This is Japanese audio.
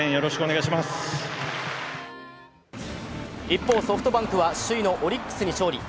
一方、ソフトバンクは首位のオリックスに勝利。